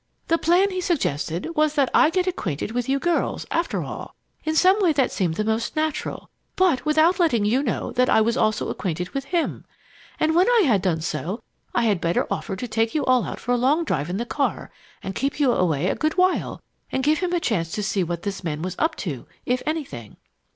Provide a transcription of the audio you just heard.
"The plan he suggested was that I get acquainted with you girls, after all, in some way that seemed the most natural, but without letting you know that I was also acquainted with him. And when I had done so, I had better offer to take you all out for a long drive in the car and keep you away a good while, and give him a chance to see what this man was up to if anything.